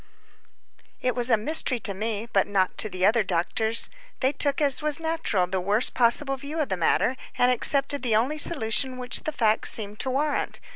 t was a mystery to me, but not to the other doctors. They took, as was natural, the worst possible view of the matter, and accepted the only solution which the facts seem to warrant.